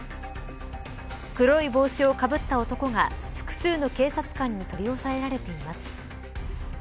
黒い帽子をかぶった男が複数の警察官に取り押さえられています。